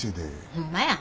ホンマやわ。